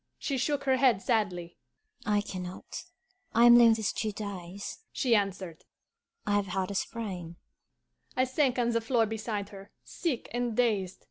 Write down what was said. She shook her head sadly. 'I can not. I am lame these two days,' she answered. 'I have had a sprain.' I sank on the floor beside her, sick and dazed.